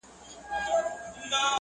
چي ښخ کړی یې پلټن وو د یارانو!.